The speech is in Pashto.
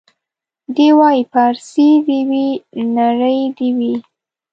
دی وايي پارسۍ دي وي نرۍ دي وي